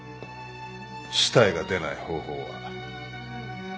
死体が出ない方法は。